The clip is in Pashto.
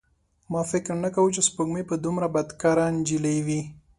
ما فکر نه کاوه چې سپوږمۍ به دومره بدکاره نجلۍ وي.